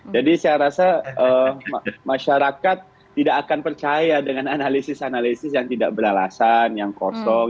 jadi saya rasa masyarakat tidak akan percaya dengan analisis analisis yang tidak beralasan yang kosong